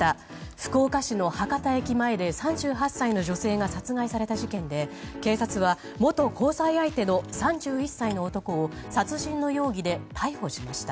福岡市の博多駅前で３８歳の女性が殺害された事件で警察は元交際相手の３１歳の男を殺人の容疑で逮捕しました。